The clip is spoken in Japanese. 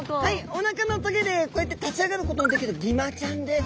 おなかのトゲでこうやって立ち上がることのできるギマちゃんです。